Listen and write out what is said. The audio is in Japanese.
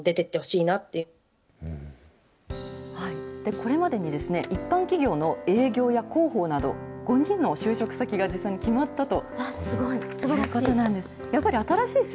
これまでに一般企業の営業や広報など、５人の就職先が実際に決まったと。